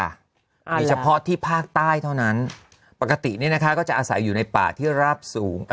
มีเฉพาะที่ภาคใต้เท่านั้นปกติเนี่ยนะคะก็จะอาศัยอยู่ในป่าที่ราบสูง